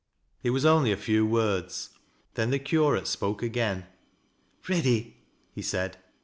It was only a few words. Then the curate spolce agaio " Keady 1 " he said.